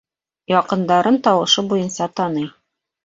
Яҡындарын тауышы буйынса таный.